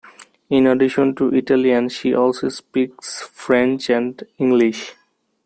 In addition to Italian, she also speaks French and English.